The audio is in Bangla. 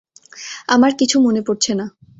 আমার কিছু মনে পরছে না।